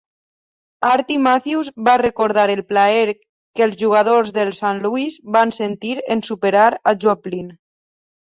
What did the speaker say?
Artie Matthews va recordar el "plaer" que els jugadors de Saint Louis van sentir en superar a Joplin.